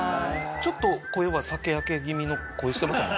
ちょっと声は酒焼け気味の声してますもんね。